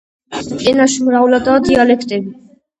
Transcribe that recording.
ენაში მრავლადაა დიალექტები.